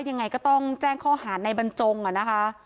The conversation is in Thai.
ยังไงก็ต้องแจ้งข้อหาในบรรจงอ่ะนะคะ